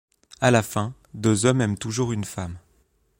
À la fin, deux hommes aiment toujours une femme.